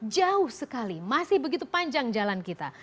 jauh sekali masih begitu panjang jalan kita